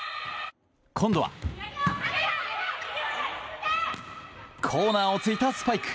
今度はコーナーを突いたスパイク。